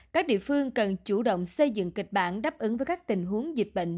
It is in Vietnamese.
các địa phương cần chủ động xây dựng kịch bản đáp ứng với các tình huống dịch bệnh